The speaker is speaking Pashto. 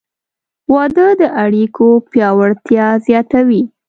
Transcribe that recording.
• واده د اړیکو پیاوړتیا زیاتوي.